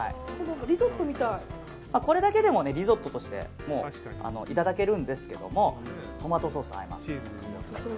これだけでもリゾットとしていただけるんですけどもトマトソースと和えます。